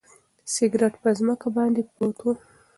سګرټ په ځمکه باندې پروت و.